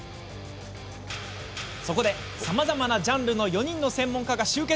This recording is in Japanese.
そこで、さまざまなジャンルの４人の専門家が集結。